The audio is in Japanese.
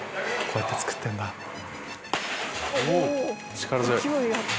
力強い！